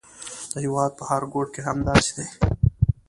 د هېواد په هر ګوټ کې همداسې دي.